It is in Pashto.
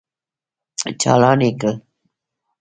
چالان يې کړ.